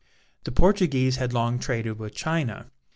The Portuguese had long traded with China.